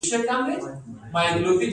د واده په شپه نکریزې په لاسونو کیښودل کیږي.